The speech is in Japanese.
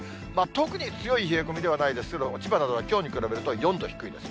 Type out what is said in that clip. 特に強い冷え込みではないですけど、千葉などはきょうに比べると４度低いです。